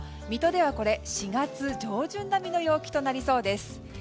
水戸では４月上旬並みの陽気となりそうです。